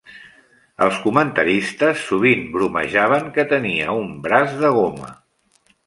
Els comentaristes sovint bromejaven que tenia un "braç de goma".